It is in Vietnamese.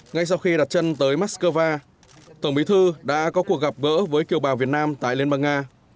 ngay sau khi đặt chân tới moscow tổng bí thư đã có cuộc gặp gỡ với kiều bào việt nam tại liên bang nga